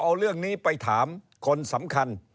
เอาเรื่องนี้ไปถามคนสำคัญ